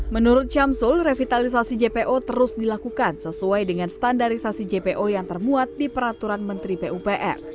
menurut syamsul revitalisasi jpo terus dilakukan sesuai dengan standarisasi jpo yang termuat di peraturan menteri pupr